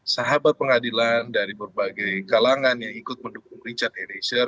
sahabat pengadilan dari berbagai kalangan yang ikut mendukung richard eliezer